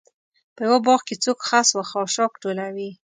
په یوه باغ کې څوک خس و خاشاک ټولوي.